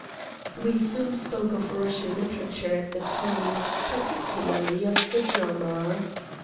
We soon spoke of Russian literature at the time, particularly of the drama.